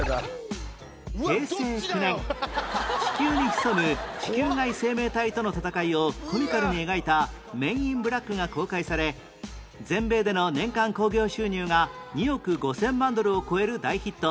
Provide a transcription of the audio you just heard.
平成９年地球に潜む地球外生命体との戦いをコミカルに描いた『メン・イン・ブラック』が公開され全米での年間興行収入が２億５０００万ドルを超える大ヒット